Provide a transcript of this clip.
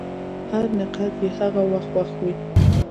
هر نقاد یې هغه وخت خوښ وي.